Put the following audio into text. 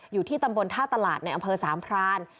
อยู่ที่ตำบลท่าตลาดในอำเภอสามพราน